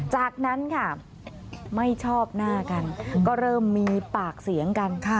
จากนั้นค่ะไม่ชอบหน้ากันก็เริ่มมีปากเสียงกัน